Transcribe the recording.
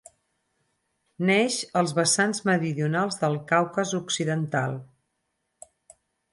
Neix als vessants meridionals del Caucas occidental.